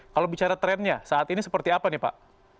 kalau bicara trendnya saat ini seperti apa nih pak